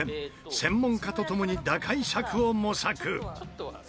専門家と共に打開策を模索。